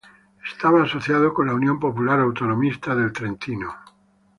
Estaba asociado con la Unión Popular Autonomista del Trentino.